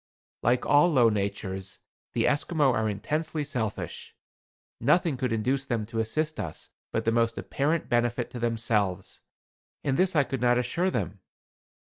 Like all low natures, the Esquimaux are intensely selfish. Nothing could induce them to assist us but the most apparent benefit to themselves; and this I could not assure them.